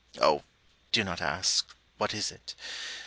Oh, do not ask, âWhat is it?